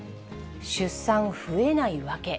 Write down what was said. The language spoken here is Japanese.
出産増えない訳。